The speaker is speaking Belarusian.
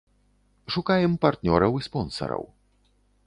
Шукаем партнёраў і спонсараў.